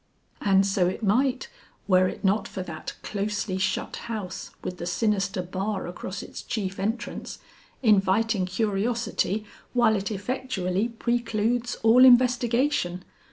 "And so it might, were it not for that closely shut house with the sinister bar across its chief entrance, inviting curiosity while it effectually precludes all investigation.